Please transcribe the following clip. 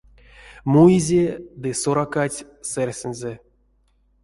Муизе ды соракадсь сэрьсэнзэ.